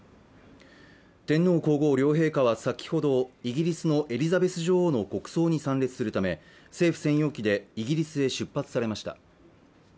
天皇皇后両陛下は先ほどイギリスのエリザベス女王の国葬に参列するため政府専用機でイギリスへ出発されました